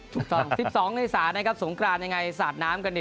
ถูกต้อง๑๒เมษานะครับสงกรานยังไงสาดน้ำกันเนี่ย